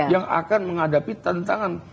yang akan menghadapi tantangan